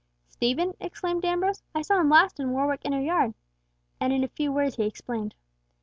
"Stephen?" exclaimed Ambrose. "I saw him last in Warwick Inner Yard." And in a few words he explained.